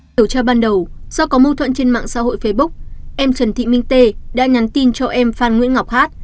điều tra ban đầu do có mâu thuẫn trên mạng xã hội facebook em trần thị minh tê đã nhắn tin cho em phan nguyễn ngọc hát